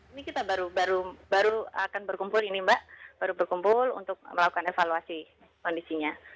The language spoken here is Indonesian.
ini kita baru akan berkumpul ini mbak baru berkumpul untuk melakukan evaluasi kondisinya